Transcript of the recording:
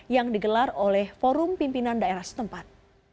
yang digelar oleh forum pimpinan daerah setempat